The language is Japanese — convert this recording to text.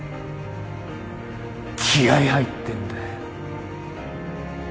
気合入ってんだよ！